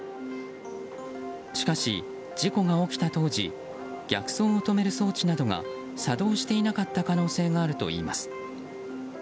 しかし、事故が起きた当時逆走を止める装置などが作動していなかった可能性があるといいます。